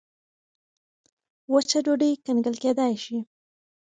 وچه ډوډۍ کنګل کېدای شي.